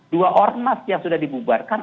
dua ormas yang sudah dibubarkan